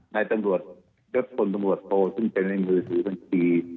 ในตำรวจและคนตำรวจโทรซึ่งเป็นในมือถือบัญชี